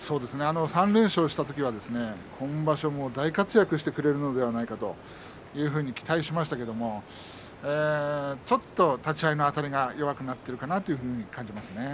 ３連勝した時は今場所大活躍してくれるのではないかというふうに期待しましたけれどもちょっと立ち合いのあたりが弱くなっているかな